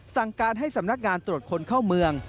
สั่งการให้สำนักงานตรวจคนเข้าเมือง